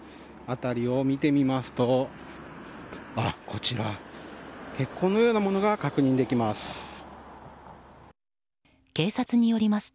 辺りを見てみますと血痕のようなものが確認できます。